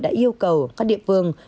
đã yêu cầu các địa phương